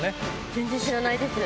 全然知らないです